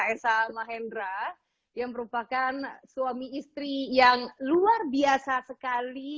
esa mahendra yang merupakan suami istri yang luar biasa sekali